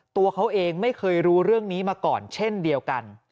ตัวเขาเองไม่เคยรู้เรื่องนี้มาก่อนเช่นเดียวกัน